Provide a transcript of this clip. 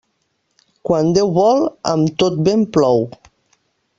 Quan Déu vol, amb tot vent plou.